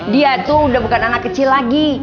dia tuh udah bukan anak kecil lagi